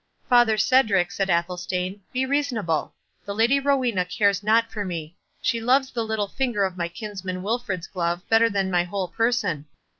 "Father Cedric," said Athelstane, "be reasonable. The Lady Rowena cares not for me—she loves the little finger of my kinsman Wilfred's glove better than my whole person.